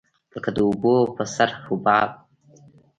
لکه د اوبو په سر حباب.